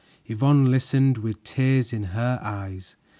Yvonne listened with tears in her eyes.